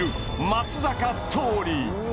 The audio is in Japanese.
松坂桃李